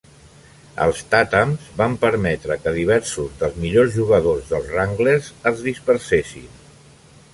Els Tathams van permetre que diversos dels millors jugadors dels Wranglers es dispersessin.